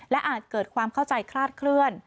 อาจเกิดความเข้าใจคลาดเคลื่อน